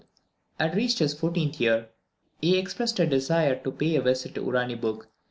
had reached his 14th year, he expressed a desire to pay a visit to Uraniburg.